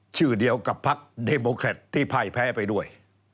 ชื่อเดียวกับพักเดโมแครตที่พ่ายแพ้ไปด้วย